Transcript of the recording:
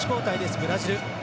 ブラジル。